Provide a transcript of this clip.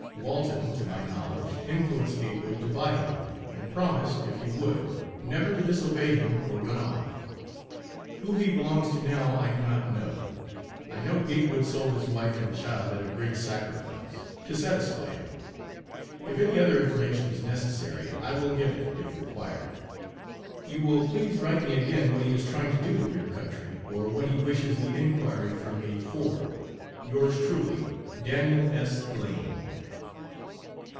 Walton, to my knowledge, influenced Gatewood to buy him, and promised if he would, never to disobey him or run off. Who he belongs to now, I do not know. I know Gatewood sold his wife and child at a great sacrifice, to satisfy him. If any other information is necessary I will give it, if required. You will please write me again what he is trying to do in your country, or what he wishes the inquiry from me for. Yours, truly, DANIEL S. LANE.